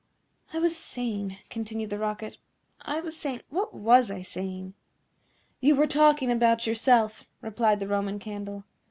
"I was saying," continued the Rocket, "I was saying What was I saying?" "You were talking about yourself," replied the Roman Candle.